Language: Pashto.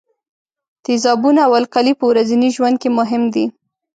تیزابونه او القلي په ورځني ژوند کې مهم دي.